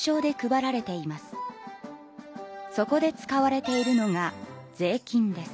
そこで使われているのが税金です。